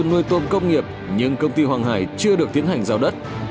nuôi tôm công nghiệp nhưng công ty hoàng hải chưa được tiến hành giao đất